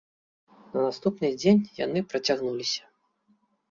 На наступны дзень яны працягнуліся.